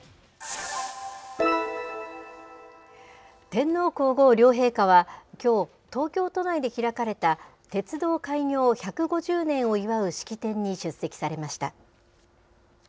天皇皇后両陛下はきょう、東京都内で開かれた鉄道開業１５０年を祝う式典に出席されました。